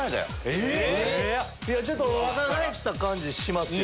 えっ⁉若返った感じしますよ。